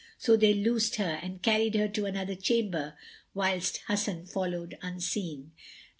So they loosed her and carried her to another chamber whilst Hasan followed unseen.